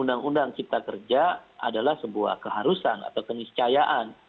undang undang cipta kerja adalah sebuah keharusan atau keniscayaan